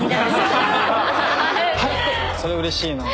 それうれしいな。